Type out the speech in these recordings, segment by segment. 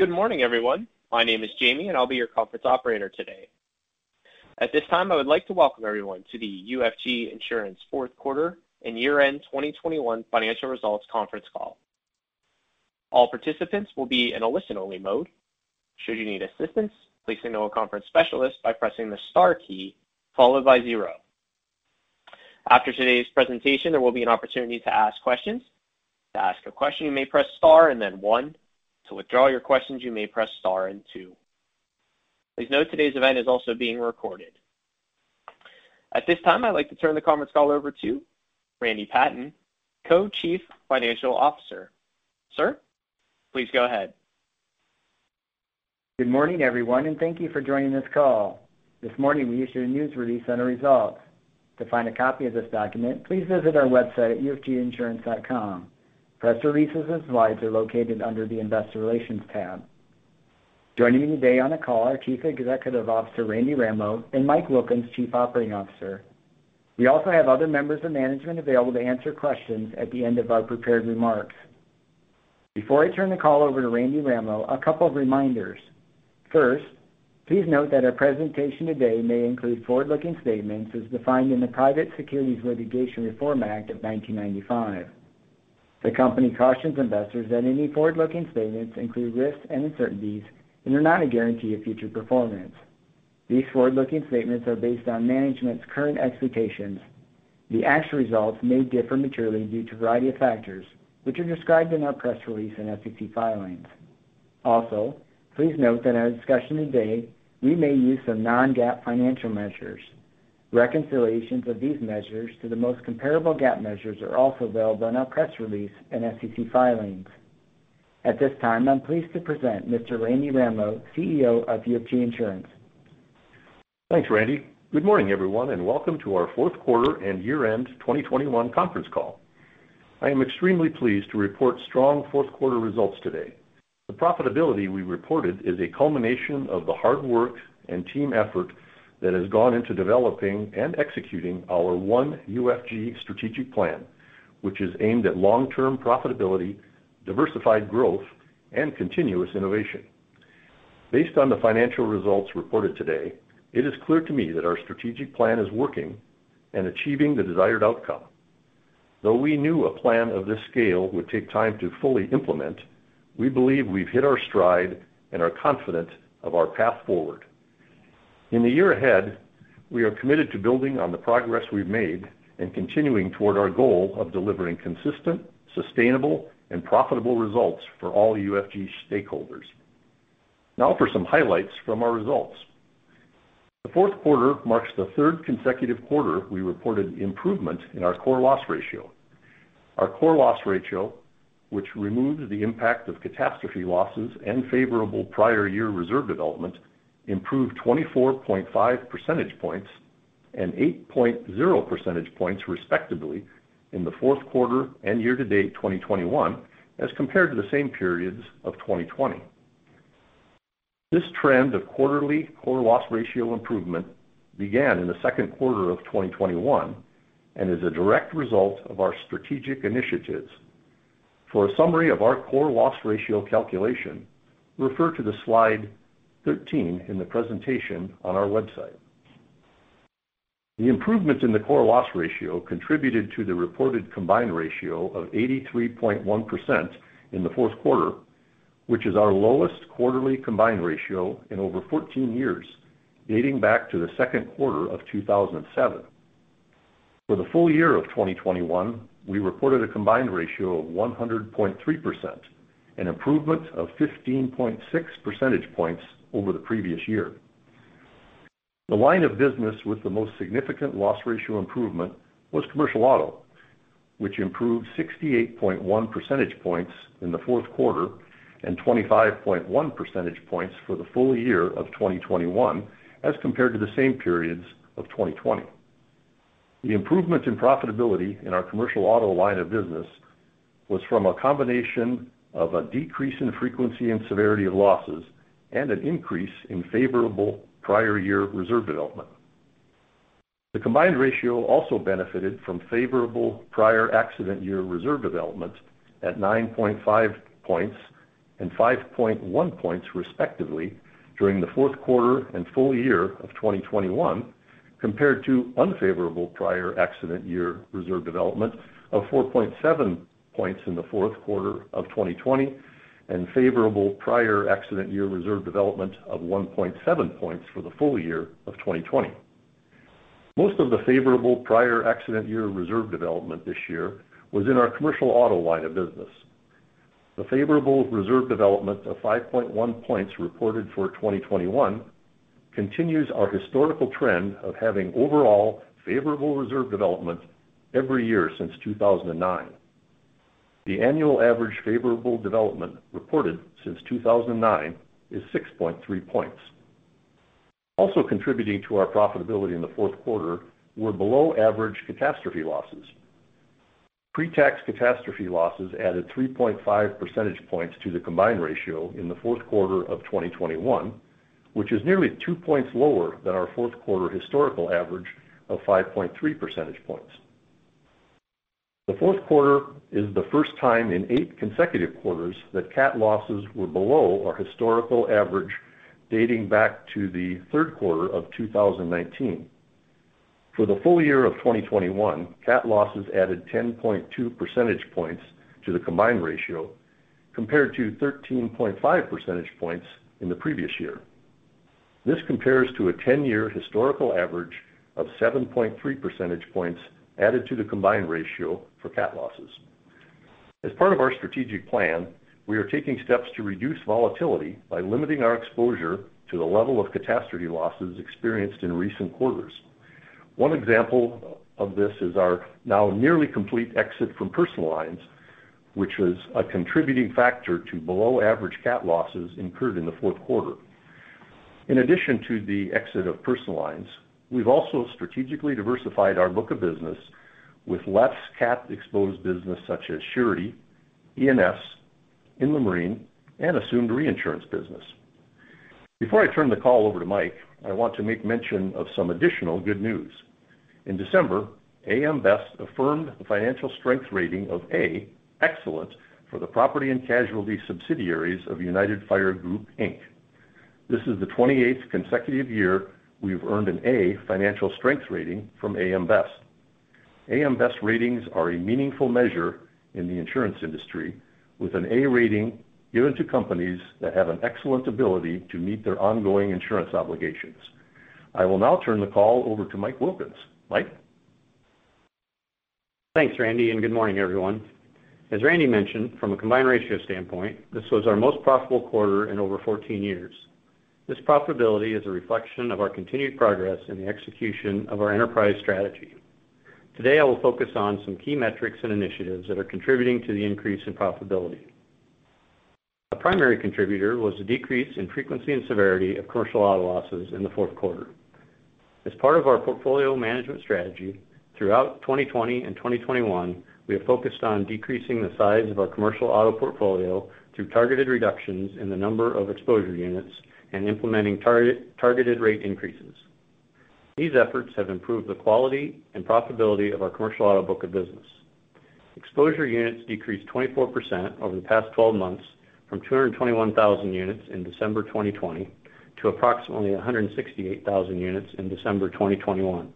Good morning, everyone. My name is Jamie, and I'll be your conference operator today. At this time, I would like to welcome everyone to the UFG Insurance Fourth Quarter and Year-End 2021 Financial Results Conference Call. All participants will be in a listen-only mode. Should you need assistance, please signal a conference specialist by pressing the star key followed by zero. After today's presentation, there will be an opportunity to ask questions. To ask a question, you may press star and then one. To withdraw your questions, you may press star and two. Please note today's event is also being recorded. At this time, I'd like to turn the conference call over to Randy Patten, Co-Chief Financial Officer. Sir, please go ahead. Good morning, everyone, and thank you for joining this call. This morning we issued a news release on our results. To find a copy of this document, please visit our website at ufginsurance.com. Press releases and slides are located under the Investor Relations tab. Joining me today on the call are Chief Executive Officer, Randy Ramlo, and Mike Wilkins, Chief Operating Officer. We also have other members of management available to answer questions at the end of our prepared remarks. Before I turn the call over to Randy Ramlo, a couple of reminders. First, please note that our presentation today may include forward-looking statements as defined in the Private Securities Litigation Reform Act of 1995. The company cautions investors that any forward-looking statements include risks and uncertainties and are not a guarantee of future performance. These forward-looking statements are based on management's current expectations. The actual results may differ materially due to a variety of factors, which are described in our press release and SEC filings. Also, please note that in our discussion today, we may use some Non-GAAP financial measures. Reconciliations of these measures to the most comparable GAAP measures are also available on our press release and SEC filings. At this time, I'm pleased to present Mr. Randy Ramlo, Chief Executive Officer of UFG Insurance. Thanks, Randy. Good morning, everyone, and welcome to our fourth quarter and year-end 2021 conference call. I am extremely pleased to report strong fourth quarter results today. The profitability we reported is a culmination of the hard work and team effort that has gone into developing and executing our One UFG strategic plan, which is aimed at long-term profitability, diversified growth, and continuous innovation. Based on the financial results reported today, it is clear to me that our strategic plan is working and achieving the desired outcome. Though we knew a plan of this scale would take time to fully implement, we believe we've hit our stride and are confident of our path forward. In the year ahead, we are committed to building on the progress we've made and continuing toward our goal of delivering consistent, sustainable, and profitable results for all UFG stakeholders. Now for some highlights from our results. The fourth quarter marks the third consecutive quarter we reported improvement in our core loss ratio. Our core loss ratio, which removed the impact of catastrophe losses and favorable prior year reserve development, improved 24.5 percentage points and 8.0 percentage points, respectively, in the fourth quarter and year-to-date 2021, as compared to the same periods of 2020. This trend of quarterly core loss ratio improvement began in the second quarter of 2021 and is a direct result of our strategic initiatives. For a summary of our core loss ratio calculation, refer to Slide 13 in the presentation on our website. The improvement in the core loss ratio contributed to the reported combined ratio of 83.1% in the fourth quarter, which is our lowest quarterly combined ratio in over 14 years, dating back to the second quarter of 2007. For the full year of 2021, we reported a combined ratio of 100.3%, an improvement of 15.6 percentage points over the previous year. The line of business with the most significant loss ratio improvement was commercial auto, which improved 68.1 percentage points in the fourth quarter and 25.1 percentage points for the full year of 2021, as compared to the same periods of 2020. The improvement in profitability in our commercial auto line of business was from a combination of a decrease in frequency and severity of losses and an increase in favorable prior accident year reserve development. The combined ratio also benefited from favorable prior accident year reserve development at 9.5 points and 5.1 points, respectively, during the fourth quarter and full year of 2021, compared to unfavorable prior accident year reserve development of 4.7 points in the fourth quarter of 2020 and favorable prior accident year reserve development of 1.7 points for the full year of 2020. Most of the favorable prior accident year reserve development this year was in our commercial auto line of business. The favorable reserve development of 5.1 points reported for 2021 continues our historical trend of having overall favorable reserve development every year since 2009. The annual average favorable development reported since 2009 is 6.3 points. Also contributing to our profitability in the fourth quarter were below average catastrophe losses. Pre-tax catastrophe losses added 3.5 percentage points to the combined ratio in the fourth quarter of 2021, which is nearly 2 points lower than our fourth quarter historical average of 5.3 percentage points. The fourth quarter is the first time in eight consecutive quarters that cat losses were below our historical average dating back to the third quarter of 2019. For the full year of 2021, cat losses added 10.2 percentage points to the combined ratio, compared to 13.5 percentage points in the previous year. This compares to a 10-year historical average of 7.3 percentage points added to the combined ratio for cat losses. As part of our strategic plan, we are taking steps to reduce volatility by limiting our exposure to the level of catastrophe losses experienced in recent quarters. One example of this is our now nearly complete exit from personal lines, which was a contributing factor to below-average cat losses incurred in the fourth quarter. In addition to the exit of personal lines, we've also strategically diversified our book of business with less cat-exposed business such as Surety, E&S, inland marine, and assumed reinsurance business. Before I turn the call over to Mike, I want to make mention of some additional good news. In December, AM Best affirmed the Financial Strength Rating of A, Excellent, for the property and casualty subsidiaries of United Fire Group, Inc. This is the twenty-eighth consecutive year we've earned an A Financial Strength Rating from AM Best. AM Best ratings are a meaningful measure in the insurance industry, with an A rating given to companies that have an excellent ability to meet their ongoing insurance obligations. I will now turn the call over to Mike Wilkins. Mike? Thanks, Randy, and good morning, everyone. As Randy mentioned, from a combined ratio standpoint, this was our most profitable quarter in over 14 years. This profitability is a reflection of our continued progress in the execution of our enterprise strategy. Today, I will focus on some key metrics and initiatives that are contributing to the increase in profitability. A primary contributor was the decrease in frequency and severity of commercial auto losses in the fourth quarter. As part of our portfolio management strategy, throughout 2020 and 2021, we have focused on decreasing the size of our commercial auto portfolio through targeted reductions in the number of exposure units and implementing targeted rate increases. These efforts have improved the quality and profitability of our commercial auto book of business. Exposure units decreased 24% over the past 12 months from 221,000 units in December 2020 to approximately 168,000 units in December 2021.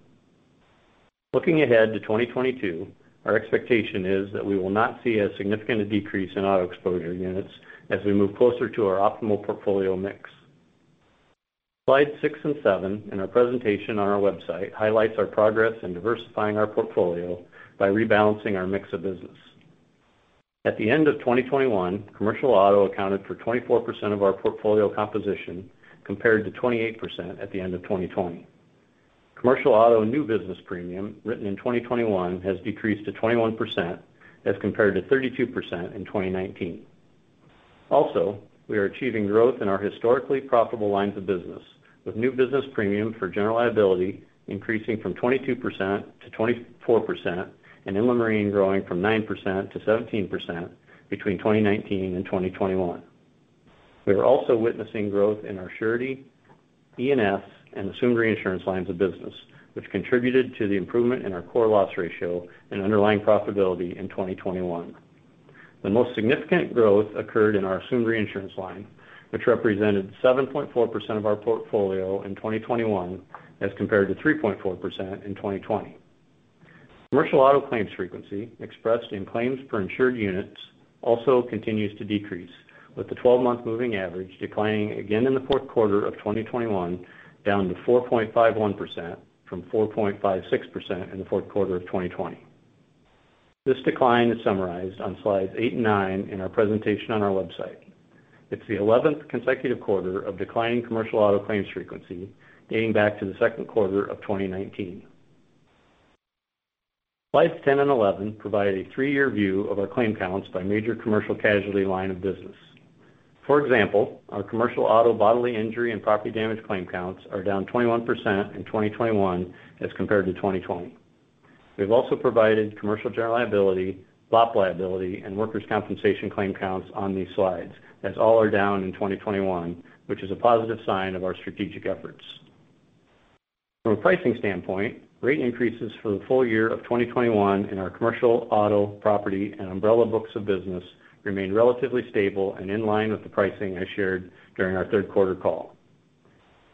Looking ahead to 2022, our expectation is that we will not see a significant decrease in auto exposure units as we move closer to our optimal portfolio mix. Slide six and slide seven in our presentation on our website highlights our progress in diversifying our portfolio by rebalancing our mix of business. At the end of 2021, commercial auto accounted for 24% of our portfolio composition, compared to 28% at the end of 2020. Commercial auto new business premium written in 2021 has decreased to 21% as compared to 32% in 2019. Also, we are achieving growth in our historically profitable lines of business, with new business premium for general liability increasing from 22%-24% and inland marine growing from 9%-17% between 2019 and 2021. We are also witnessing growth in our Surety, E&S, and assumed reinsurance lines of business, which contributed to the improvement in our core loss ratio and underlying profitability in 2021. The most significant growth occurred in our assumed reinsurance line, which represented 7.4% of our portfolio in 2021 as compared to 3.4% in 2020. Commercial auto claims frequency, expressed in claims per insured units, also continues to decrease, with the 12-month moving average declining again in the fourth quarter of 2021, down to 4.51% from 4.56% in the fourth quarter of 2020. This decline is summarized on slide eight and slide nine in our presentation on our website. It's the 11th consecutive quarter of declining commercial auto claims frequency dating back to the second quarter of 2019. Slide 10 and Slide 11 provide a three-year view of our claim counts by major commercial casualty line of business. For example, our commercial auto bodily injury and property damage claim counts are down 21% in 2021 as compared to 2020. We've also provided commercial general liability, BOP liability, and workers' compensation claim counts on these slides, as all are down in 2021, which is a positive sign of our strategic efforts. From a pricing standpoint, rate increases for the full year of 2021 in our commercial auto, property, and umbrella books of business remain relatively stable and in line with the pricing I shared during our third quarter call.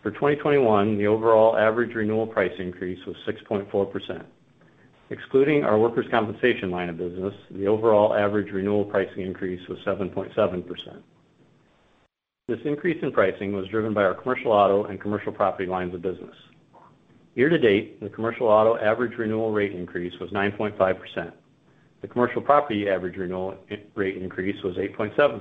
For 2021, the overall average renewal price increase was 6.4%. Excluding our workers' compensation line of business, the overall average renewal pricing increase was 7.7%. This increase in pricing was driven by our commercial auto and commercial property lines of business. Year to date, the commercial auto average renewal rate increase was 9.5%. The commercial property average renewal rate increase was 8.7%.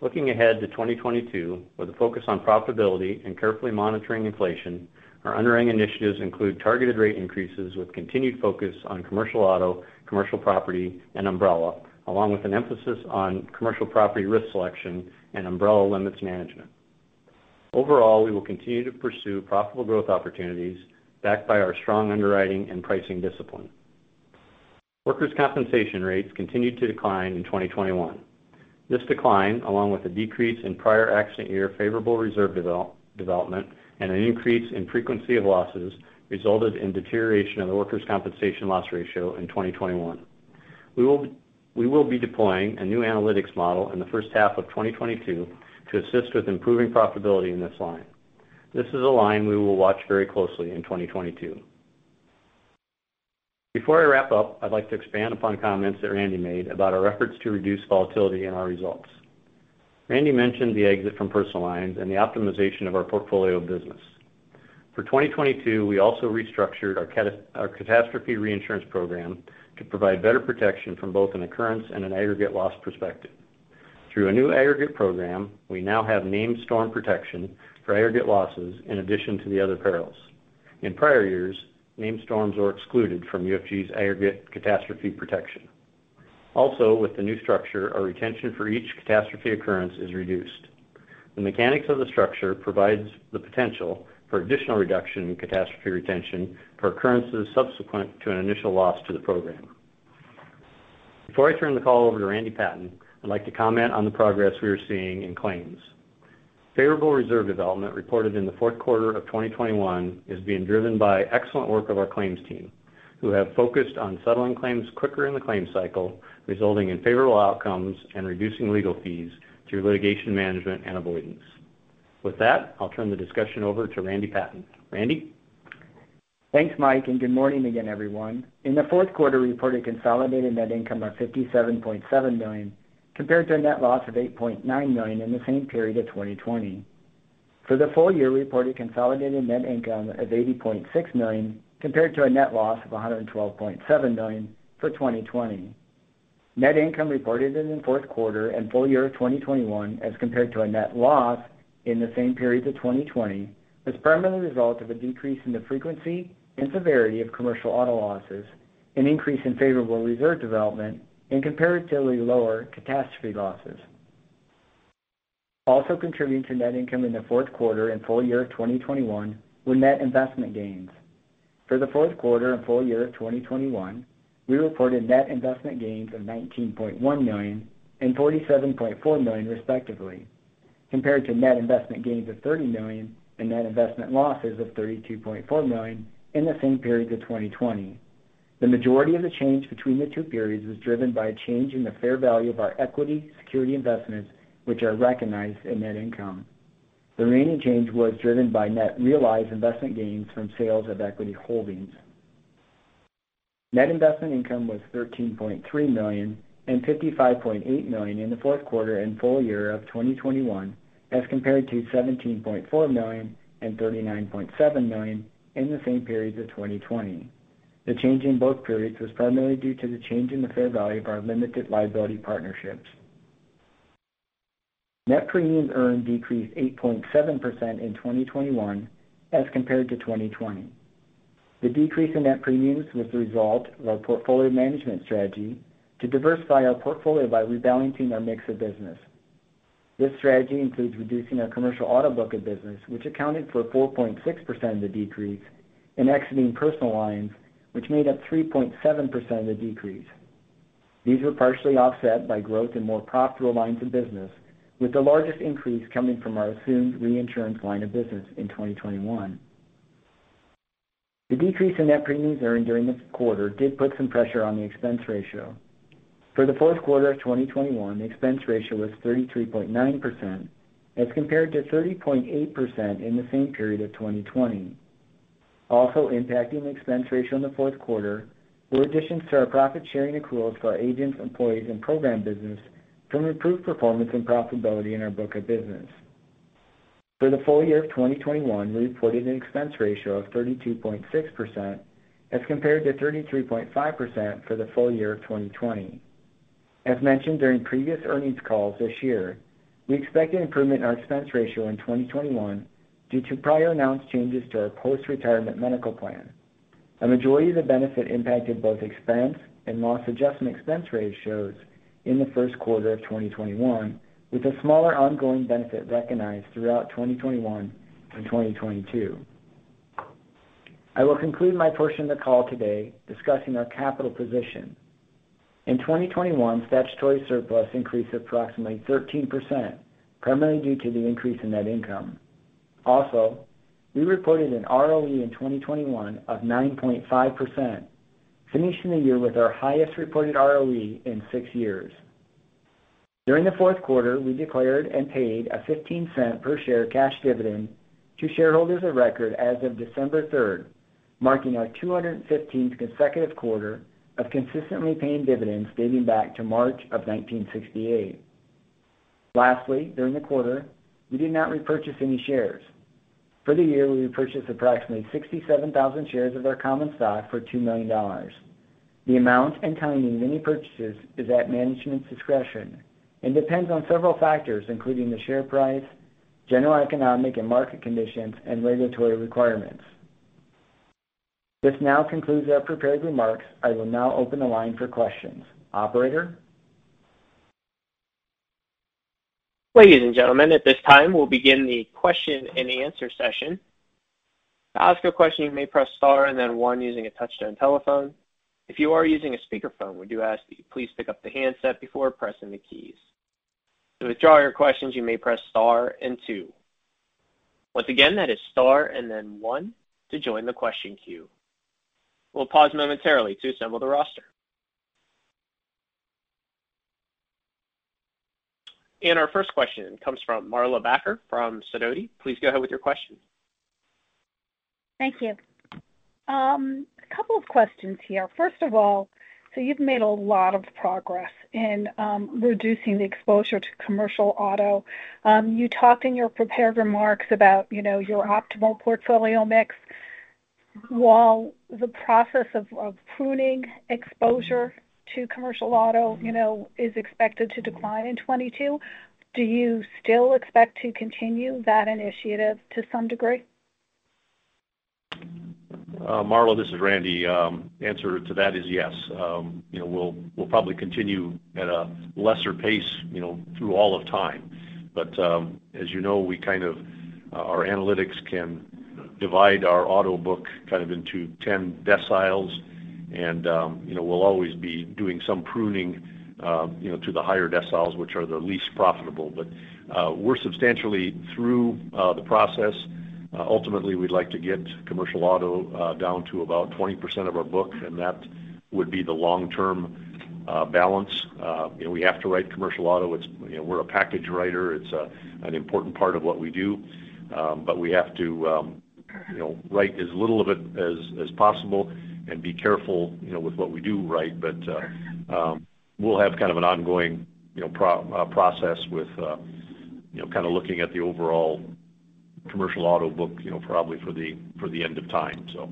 Looking ahead to 2022, with a focus on profitability and carefully monitoring inflation, our underwriting initiatives include targeted rate increases with continued focus on commercial auto, commercial property, and umbrella, along with an emphasis on commercial property risk selection and umbrella limits management. Overall, we will continue to pursue profitable growth opportunities backed by our strong underwriting and pricing discipline. Workers' compensation rates continued to decline in 2021. This decline, along with a decrease in prior accident year favorable reserve development, and an increase in frequency of losses, resulted in deterioration of the workers' compensation loss ratio in 2021. We will be deploying a new analytics model in the first half of 2022 to assist with improving profitability in this line. This is a line we will watch very closely in 2022. Before I wrap up, I'd like to expand upon comments that Randy made about our efforts to reduce volatility in our results. Randy mentioned the exit from personal lines and the optimization of our portfolio of business. For 2022, we also restructured our catastrophe reinsurance program to provide better protection from both an occurrence and an aggregate loss perspective. Through a new aggregate program, we now have named storm protection for aggregate losses in addition to the other perils. In prior years, named storms were excluded from UFG's aggregate catastrophe protection. Also, with the new structure, our retention for each catastrophe occurrence is reduced. The mechanics of the structure provides the potential for additional reduction in catastrophe retention for occurrences subsequent to an initial loss to the program. Before I turn the call over to Randy Patten, I'd like to comment on the progress we are seeing in claims. Favorable reserve development reported in the fourth quarter of 2021 is being driven by excellent work of our claims team, who have focused on settling claims quicker in the claim cycle, resulting in favorable outcomes and reducing legal fees through litigation management and avoidance. With that, I'll turn the discussion over to Randy Patten. Randy? Thanks, Mike, and good morning again, everyone. In the fourth quarter, we reported consolidated net income of $57.7 million, compared to a net loss of $8.9 million in the same period of 2020. For the full year, we reported consolidated net income of $80.6 million, compared to a net loss of $112.7 million for 2020. Net income reported in the fourth quarter and full year of 2021, as compared to a net loss in the same periods of 2020, was primarily the result of a decrease in the frequency and severity of commercial auto losses, an increase in favorable reserve development, and comparatively lower catastrophe losses. Also contributing to net income in the fourth quarter and full year of 2021 were net investment gains. For the fourth quarter and full year of 2021, we reported net investment gains of $19.1 million and $47.4 million respectively, compared to net investment gains of $30 million and net investment losses of $32.4 million in the same periods of 2020. The majority of the change between the two periods was driven by a change in the fair value of our equity security investments, which are recognized in net income. The remaining change was driven by net realized investment gains from sales of equity holdings. Net investment income was $13.3 million and $55.8 million in the fourth quarter and full year of 2021, as compared to $17.4 million and $39.7 million in the same periods of 2020. The change in both periods was primarily due to the change in the fair value of our limited liability partnerships. Net premiums earned decreased 8.7% in 2021, as compared to 2020. The decrease in net premiums was the result of our portfolio management strategy to diversify our portfolio by rebalancing our mix of business. This strategy includes reducing our commercial auto book of business, which accounted for 4.6% of the decrease, and exiting personal lines, which made up 3.7% of the decrease. These were partially offset by growth in more profitable lines of business, with the largest increase coming from our assumed reinsurance line of business in 2021. The decrease in net premiums earned during this quarter did put some pressure on the expense ratio. For the fourth quarter of 2021, the expense ratio was 33.9%, as compared to 30.8% in the same period of 2020. Also impacting the expense ratio in the fourth quarter were additions to our profit sharing accruals for our agents, employees, and program business from improved performance and profitability in our book of business. For the full year of 2021, we reported an expense ratio of 32.6%, as compared to 33.5% for the full year of 2020. As mentioned during previous earnings calls this year, we expect an improvement in our expense ratio in 2021 due to prior announced changes to our post-retirement medical plan. A majority of the benefit impacted both expense and loss adjustment expense ratios in the first quarter of 2021, with a smaller ongoing benefit recognized throughout 2021 and 2022. I will conclude my portion of the call today discussing our capital position. In 2021, statutory surplus increased approximately 13%, primarily due to the increase in net income. Also, we reported an ROE in 2021 of 9.5%, finishing the year with our highest reported ROE in six years. During the fourth quarter, we declared and paid a $0.15 per share cash dividend to shareholders of record as of December 3rd, marking our 215th consecutive quarter of consistently paying dividends dating back to March 1968. Lastly, during the quarter, we did not repurchase any shares. For the year, we repurchased approximately 67,000 shares of our common stock for $2 million. The amount and timing of any purchases is at management's discretion and depends on several factors, including the share price, general economic and market conditions, and regulatory requirements. This now concludes our prepared remarks. I will now open the line for questions. Operator? Ladies and gentlemen, at this time, we'll begin the question and answer session. To ask a question, you may press Star and then One using a touchtone telephone. If you are using a speakerphone, we do ask that you please pick up the handset before pressing the keys. To withdraw your questions, you may press Star and Two. Once again, that is Star and then One to join the question queue. We'll pause momentarily to assemble the roster. Our first question comes from Marla Backer from Sidoti & Company. Please go ahead with your question. Thank you. A couple of questions here. First of all, so you've made a lot of progress in reducing the exposure to commercial auto. You talked in your prepared remarks about, you know, your optimal portfolio mix while the process of pruning exposure to commercial auto, you know, is expected to decline in 2022. Do you still expect to continue that initiative to some degree? Marla, this is Randy. Answer to that is yes. You know, we'll probably continue at a lesser pace, you know, through all of time. As you know, we kind of our analytics can divide our auto book kind of into 10 deciles. You know, we'll always be doing some pruning, you know, to the higher deciles, which are the least profitable. We're substantially through the process. Ultimately, we'd like to get commercial auto down to about 20% of our book, and that would be the long-term balance. You know, we have to write commercial auto. It's, you know, we're a package writer. It's an important part of what we do. We have to write as little of it as possible and be careful, you know, with what we do write. We'll have kind of an ongoing, you know, process with you know, kind of looking at the overall commercial auto book, you know, probably for the end of time, so.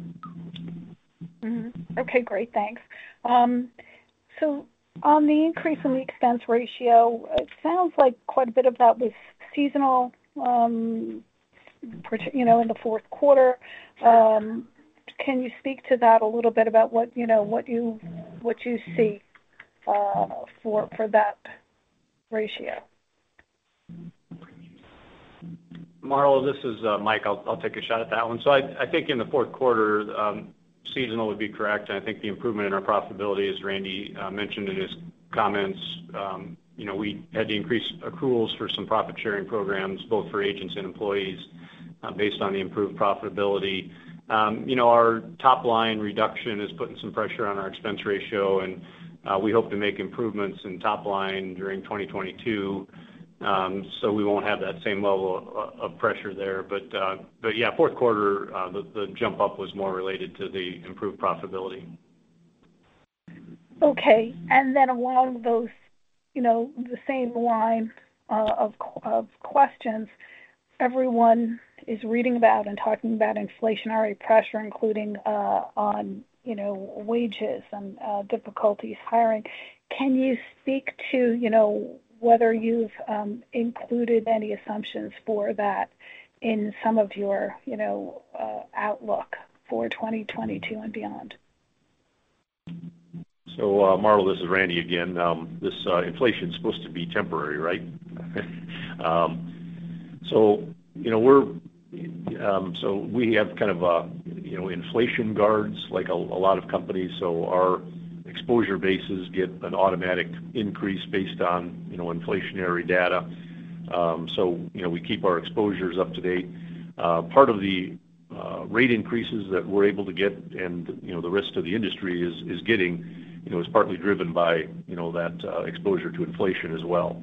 Okay, great. Thanks. On the increase in the expense ratio, it sounds like quite a bit of that was seasonal, you know, in the fourth quarter. Can you speak to that a little bit about what, you know, what you see for that ratio? Marla, this is Mike. I'll take a shot at that one. I think in the fourth quarter, seasonal would be correct. I think the improvement in our profitability, as Randy mentioned in his comments, you know, we had to increase accruals for some profit-sharing programs, both for agents and employees, based on the improved profitability. You know, our top line reduction is putting some pressure on our expense ratio, and we hope to make improvements in top line during 2022, so we won't have that same level of pressure there. Yeah, fourth quarter, the jump up was more related to the improved profitability. Okay. Along those, you know, the same line, of questions, everyone is reading about and talking about inflationary pressure, including, on, you know, wages and, difficulties hiring. Can you speak to, you know, whether you've included any assumptions for that in some of your, you know, outlook for 2022 and beyond? Marla, this is Randy again. This inflation is supposed to be temporary, right? You know, we have kind of a, you know, inflation guards like a lot of companies. Our exposure bases get an automatic increase based on, you know, inflationary data. You know, we keep our exposures up to date. Part of the rate increases that we're able to get and, you know, the rest of the industry is getting, you know, is partly driven by, you know, that exposure to inflation as well.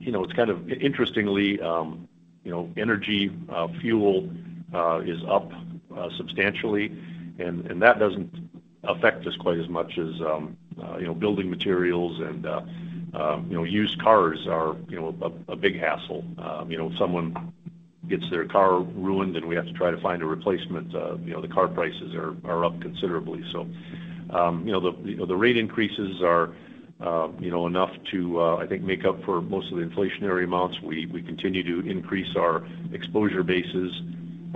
You know, it's kind of interestingly, you know, energy, fuel, is up substantially, and that doesn't affect us quite as much as, you know, building materials and, you know, used cars are, you know, a big hassle. You know, if someone gets their car ruined, then we have to try to find a replacement. You know, the car prices are up considerably. You know, the rate increases are, you know, enough to, I think make up for most of the inflationary amounts. We continue to increase our exposure bases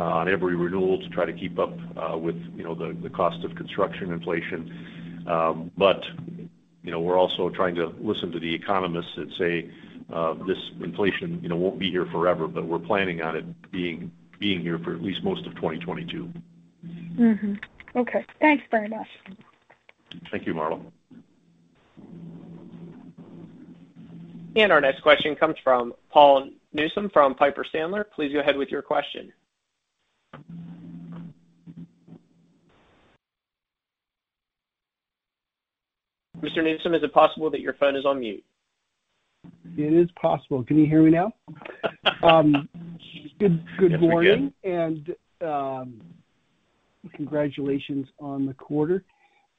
on every renewal to try to keep up with, you know, the cost of construction inflation. You know, we're also trying to listen to the economists that say this inflation, you know, won't be here forever, but we're planning on it being here for at least most of 2022. Mm-hmm. Okay. Thanks very much. Thank you, Marla. Our next question comes from Paul Newsome from Piper Sandler. Please go ahead with your question. Mr. Newsome, is it possible that your phone is on mute? It is possible. Can you hear me now? Good morning. Yes, we can. Congratulations on the quarter.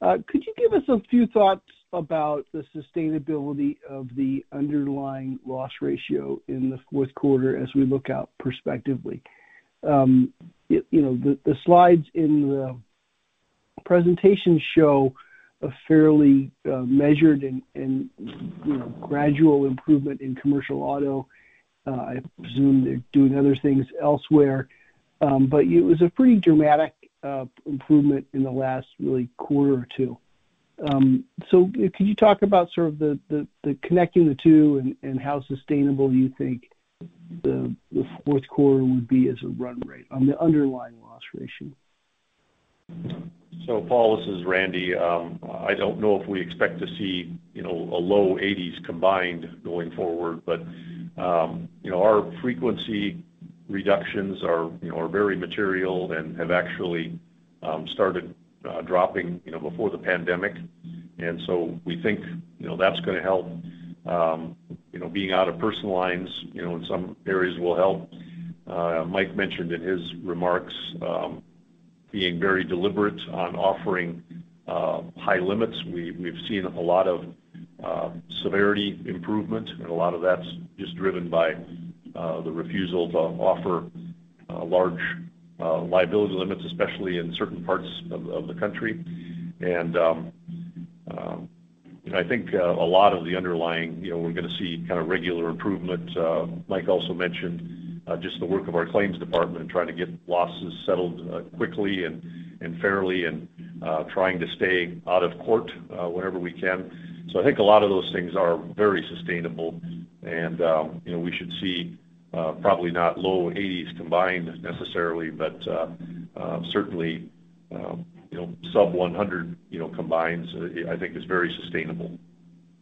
Could you give us a few thoughts about the sustainability of the underlying loss ratio in the fourth quarter as we look out prospectively? You know, the slides in the presentation show a fairly measured and you know, gradual improvement in commercial auto. I presume they're doing other things elsewhere. But it was a pretty dramatic improvement in the last quarter or two. Can you talk about sort of the connecting the two and how sustainable you think the fourth quarter would be as a run rate on the underlying loss ratio? Paul, this is Randy. I don't know if we expect to see, you know, a low 80s% combined going forward, but you know, our frequency reductions are very material and have actually started dropping, you know, before the pandemic. We think, you know, that's gonna help. You know, being out of personal lines, you know, in some areas will help. Mike mentioned in his remarks being very deliberate on offering high limits. We've seen a lot of severity improvement, and a lot of that's just driven by the refusal to offer large liability limits, especially in certain parts of the country. I think a lot of the underlying, you know, we're gonna see kind of regular improvement. Mike also mentioned just the work of our claims department in trying to get losses settled quickly and fairly and trying to stay out of court wherever we can. I think a lot of those things are very sustainable and you know we should see probably not low 80s% combined necessarily but certainly you know sub-100% you know combineds I think is very sustainable.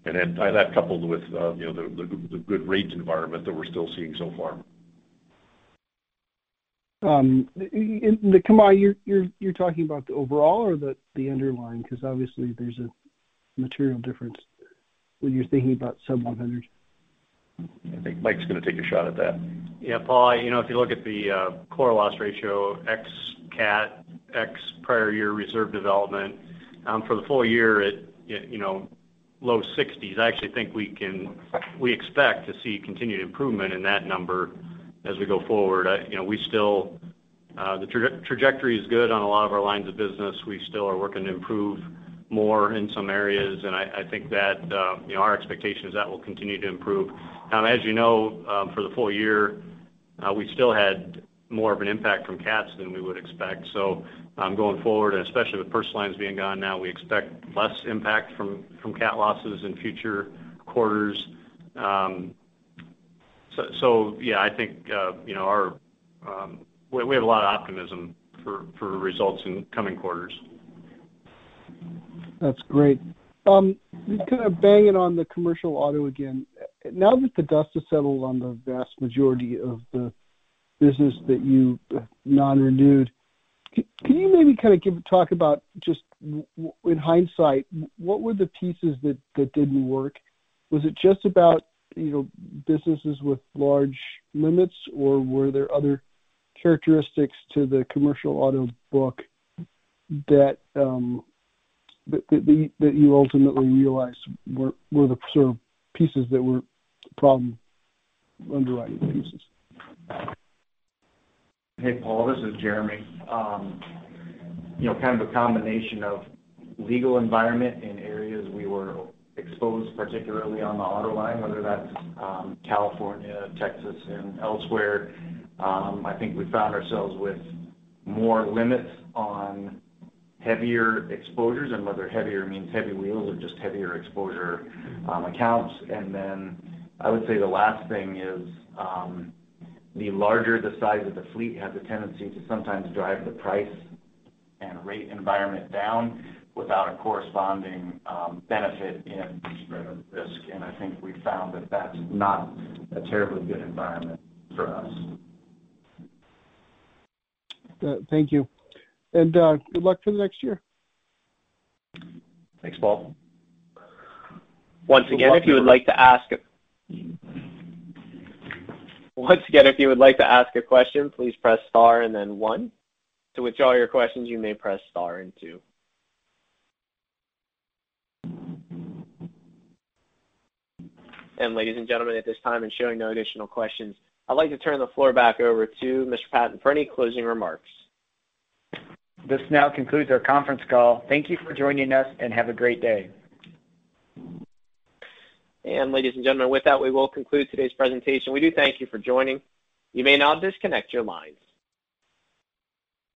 That coupled with you know the good rates environment that we're still seeing so far. In the combined, you're talking about the overall or the underlying? 'Cause obviously there's a material difference when you're thinking about sub-100. I think Mike's gonna take a shot at that. Yeah, Paul, you know, if you look at the core loss ratio, ex cat, ex prior year reserve development, for the full year, you know, low 60s%. I actually think we expect to see continued improvement in that number as we go forward. You know, we still, the trajectory is good on a lot of our lines of business. We still are working to improve more in some areas, and I think that, you know, our expectation is that will continue to improve. As you know, for the full year, we still had more of an impact from cats than we would expect. Going forward, especially with personal lines being gone now, we expect less impact from cat losses in future quarters. Yeah, I think, you know, our We have a lot of optimism for results in coming quarters. That's great. Just kind of banging on the commercial auto again. Now that the dust has settled on the vast majority of the business that you non-renewed, can you maybe kind of talk about just in hindsight, what were the pieces that didn't work? Was it just about, you know, businesses with large limits, or were there other characteristics to the commercial auto book that you ultimately realized were the sort of pieces that were problem underwriting pieces? Hey, Paul, this is Jeremy. You know, kind of a combination of legal environment in areas we were exposed, particularly on the auto line, whether that's California, Texas, and elsewhere. I think we found ourselves with more limits on heavier exposures and whether heavier means heavy wheels or just heavier exposure accounts. I would say the last thing is the larger the size of the fleet has a tendency to sometimes drive the price and rate environment down without a corresponding benefit in spread of risk. I think we found that that's not a terribly good environment for us. Good. Thank you. Good luck for the next year. Thanks, Paul. Once again, if you would like to ask a question, please press Star then one. To withdraw your questions, you may press Star two. Ladies and gentlemen, at this time showing no additional questions, I'd like to turn the floor back over to Mr. Patten for any closing remarks. This now concludes our conference call. Thank you for joining us and have a great day. Ladies and gentlemen, with that, we will conclude today's presentation. We do thank you for joining. You may now disconnect your lines.